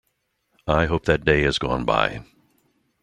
I hope that day has gone by.